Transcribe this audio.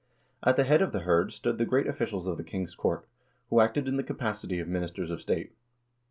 At the head of the hird stood the great officials of the king's court, who acted in the capacity of ministers of state.